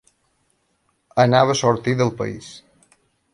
Anava a sortir del país.